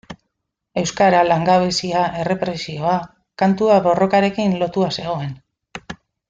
Euskara, langabezia, errepresioa... Kantua borrokarekin lotua zegoen.